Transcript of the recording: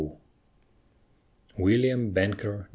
WILLIAM BANKER, JR.